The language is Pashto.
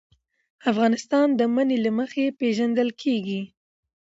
افغانستان د منی له مخې پېژندل کېږي.